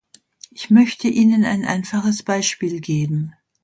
Ich möchte Ihnen ein einfaches Beispiel geben.